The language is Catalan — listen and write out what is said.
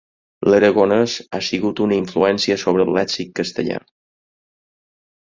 L'aragonés ha sigut una influència sobre el lèxic castellà.